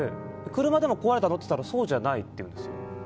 車でも壊れたの？って言ったらそうじゃないって言うんですよ。